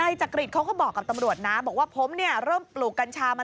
นายจักริรดนเขาก็บอกกับตำรวจนะบอกว่าผมเริ่มปลูกกานชามา